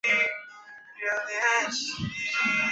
选手用这种方式控制母球停下来的位置。